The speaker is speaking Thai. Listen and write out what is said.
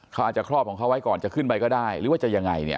เขาอาจจะครอบของเขาไว้ก่อนจะขึ้นไปก็ได้หรือว่าจะยังไงเนี่ย